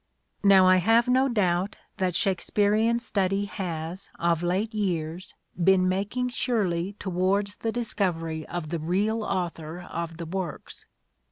Now, I have no doubt that Shakespearean study has of late years been making surely towards the discovery of the real author of the works.